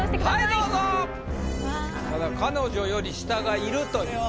ただ彼女より下がいるという。